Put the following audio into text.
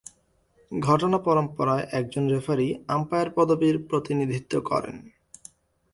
ঘটনা পরম্পরায় একজন রেফারী আম্পায়ার পদবীর প্রতিনিধিত্ব করেন।